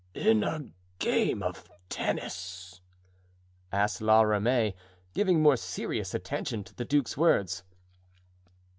"In a game of tennis?" asked La Ramee, giving more serious attention to the duke's words.